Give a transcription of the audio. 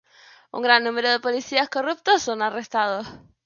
Un gran número de policías corruptos son arrestados.